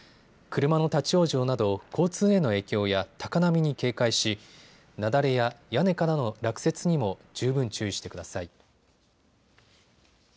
車の立往生など交通への影響や高波に警戒し、雪崩や屋根からの落雪にも十分注意してください。